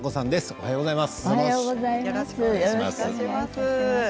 おはようございます。